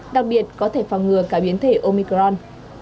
đặc biệt có thể phòng ngừa cả biến thể omicron